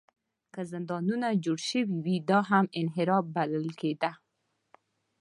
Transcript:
که زندانونه جوړ شوي وي، دا هم انحراف بلل کېده.